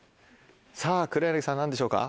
さぁ黒柳さん何でしょうか？